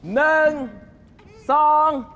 หนึ่งสอง